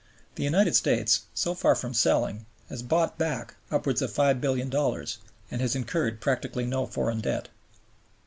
The United States, so far from selling, has bought back upwards of $5,000,000,000, and has incurred practically no foreign debt.